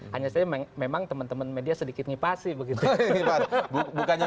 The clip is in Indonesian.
hanya saja memang teman teman media sedikit ngipasi begitu